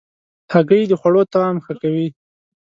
هګۍ د خوړو طعم ښه کوي.